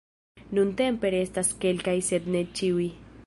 Nuntempe restas kelkaj sed ne ĉiuj.